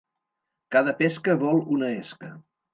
Cada pesca vol una esca.